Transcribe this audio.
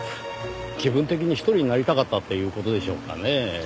気分的に一人になりたかったっていう事でしょうかねぇ。